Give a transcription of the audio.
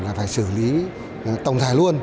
là phải xử lý tổng thải luôn